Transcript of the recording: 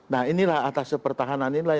nah inilah atase pertahanan ini